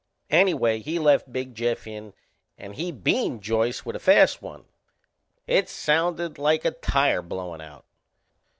Anyway he left Big Jeff in and he beaned Joyce with a fast one. It sounded like a tire blowin' out.